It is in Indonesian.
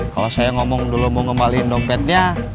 kalau saya ngomong dulu mau ngembaliin dompetnya